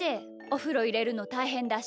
おふろいれるのたいへんだし。